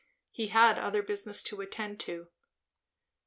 He had other business to attend to.